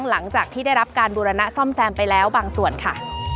หลังจากที่ได้รับการบูรณะซ่อมแซมไปแล้วบางส่วนค่ะ